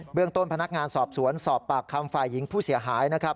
เรื่องต้นพนักงานสอบสวนสอบปากคำฝ่ายหญิงผู้เสียหายนะครับ